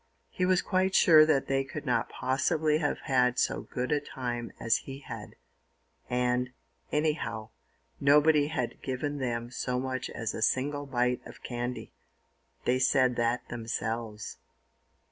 He was quite sure that they could not possibly have had so good a time as he had; and, anyhow, nobody had given them so much as a single bite of candy; they said that themselves.